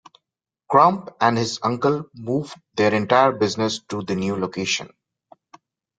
Crump and his uncle moved their entire business to the new location.